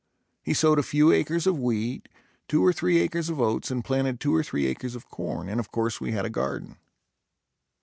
He sowed a few acres of wheat, two or three acres of oats and planted two or three acres of corn and of course, we had a garden.